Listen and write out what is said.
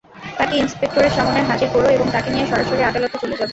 তাকে ইন্সপেক্টরের সামনে হাজির কোরো এবং তাকে নিয়ে সরাসরি আদালতে চলে যাবে।